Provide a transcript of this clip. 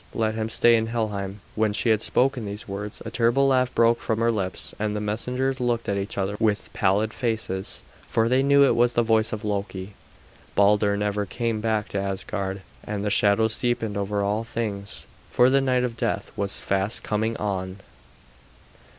Let him stay in Helheim." When she had spoken these words a terrible laugh broke from her lips, and the messengers looked at each other with pallid faces, for they knew it was the voice of Loki. Balder never came back to Asgard, and the shadows deepened over all things, for the night of death was fast coming on.